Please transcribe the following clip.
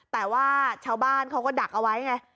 แต่ว่าชาวบ้านเขาก็ดักเอาไว้ไง